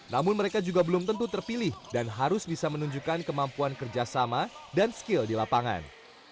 namun mereka juga belum tentu terpilih dan harus bisa menunjukkan kemampuan kerjasama dan skill di lapangan